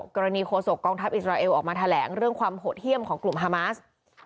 กรณีโฆษกองทัพอิสราเอลออกมาแถลงเรื่องความโหดเยี่ยมของกลุ่มฮามาส